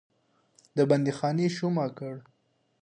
د بندیخانې شومه کړ.